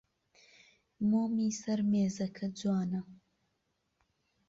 مۆمی سەر مێزەکە جوانە.